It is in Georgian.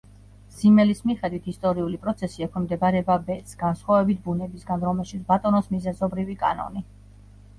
ზიმელის მიხედვით ისტორიული პროცესი, ექვემდებარება „ბედს“, განხსვავებით ბუნებისგან, რომელშიც ბატონობს მიზეზობრივი კანონი.